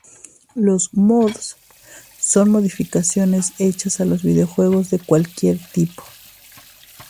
Los "mods" son "modificaciones" hechas a los videojuegos de cualquier tipo.